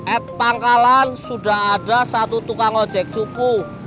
at pangkalan sudah ada satu tukang ngosyek cukur